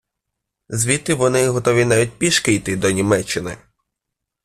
Звідти вони готові навіть пішки йти до Німеччини.